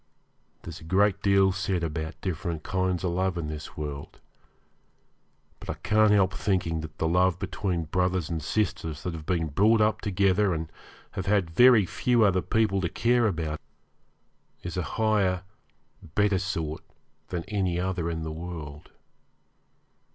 There's a great deal said about different kinds of love in this world, but I can't help thinking that the love between brothers and sisters that have been brought up together and have had very few other people to care about is a higher, better sort than any other in the world.